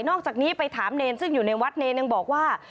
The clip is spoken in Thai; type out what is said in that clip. อกจากนี้ไปถามเนรซึ่งอยู่ในวัดเนรยังบอกว่า